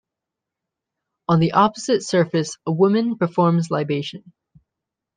On the opposite surface a woman performs libation.